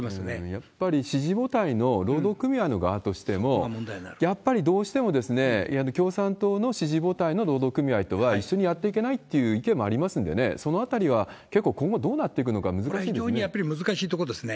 やっぱり支持母体の労働組合の側としても、やっぱりどうしても共産党の支持母体の労働組合とは一緒にやっていけないっていう意見もありますんでね、そのあたりは結構今後どうなっていくのか難しいですね。